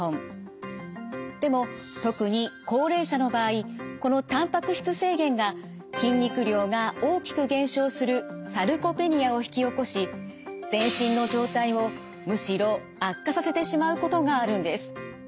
でも特に高齢者の場合このたんぱく質制限が筋肉量が大きく減少するサルコペニアを引き起こし全身の状態をむしろ悪化させてしまうことがあるんです。